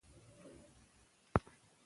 انسانان باید د خپل عمر په اړه سم فکر وکړي.